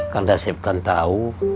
kandasir kan tau